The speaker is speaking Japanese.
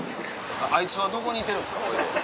あいつはどこにいてるんですか？